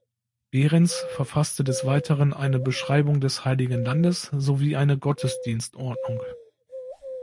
Behrends verfasste des Weiteren eine Beschreibung des Heiligen Landes sowie eine Gottesdienstordnung.